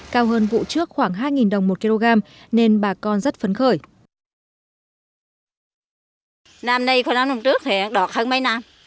cao hơn vụ trước khoảng hai đồng một kg nên bà con rất phấn khởi